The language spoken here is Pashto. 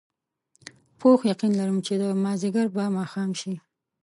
پوخ یقین لرم چې مازدیګر به ماښام شي.